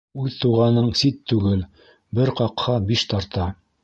Үҙ туғаның сит түгел, бер ҡаҡһа, биш тарта.